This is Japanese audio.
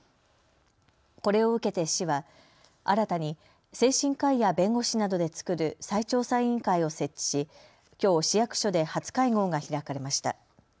これを受けて市は新たに精神科医や弁護士などで作る再調査委員会を設置しきょう市役所で初会合が開かれました。